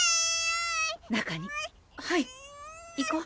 中にはい行こう？